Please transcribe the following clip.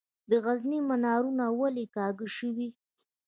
د غزني منارونه ولې کږه شوي؟